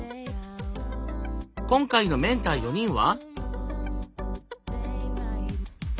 今回のメンター４人は？